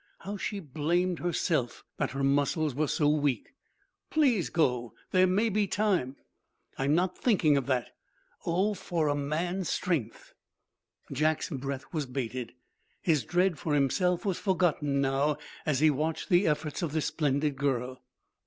How she blamed herself that her muscles were so weak! "Please go! There may be time." "I'm not thinking of that. Oh, for a man's strength!" Jack's breath was bated. His dread for himself was forgotten now, as he watched the efforts of this splendid girl.